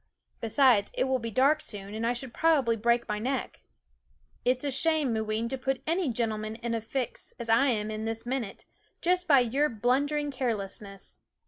Besides, it will be dark soon, and I should probably break my neck. It 's a shame, Moo ween, to put any gentleman in such a fix as I am in this minute, just by your blundering carelessness.